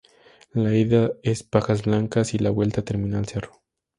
La ida es Pajas Blancas y la vuelta Terminal Cerro.